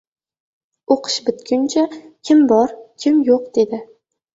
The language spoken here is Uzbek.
O‘qish bitguncha kim bor, kim yo‘q", dedi.